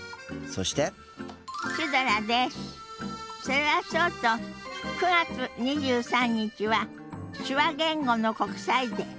それはそうと９月２３日は手話言語の国際デー。